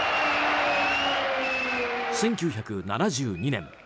１９７２年